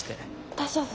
大丈夫？